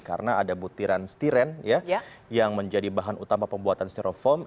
karena ada butiran stiren yang menjadi bahan utama pembuatan steroform